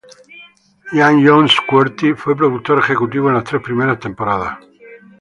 Ian Jones-Quartey fue productor ejecutivo en las tres primeras temporadas.